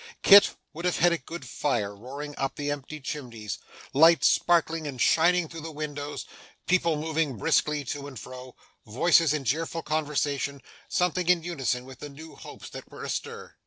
Kit would have had a good fire roaring up the empty chimneys, lights sparkling and shining through the windows, people moving briskly to and fro, voices in cheerful conversation, something in unison with the new hopes that were astir.